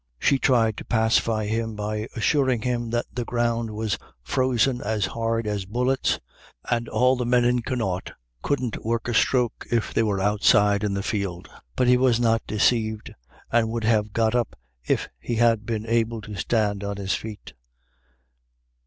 She tried to pacify him by assuring him that the ground was frozen as hard as bullets, and all the men in Connaught couldn't work a stroke if they were outside in the field ; but he was not deceived, and would have got up if he had been able to stand on his feet.